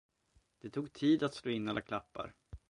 Det tog tid att slå in alla klappar.